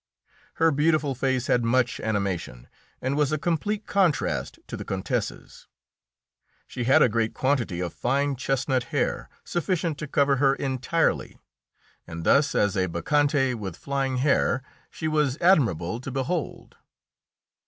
Her beautiful face had much animation, and was a complete contrast to the Countess's. She had a great quantity of fine chestnut hair, sufficient to cover her entirely, and thus, as a bacchante with flying hair, she was admirable to behold.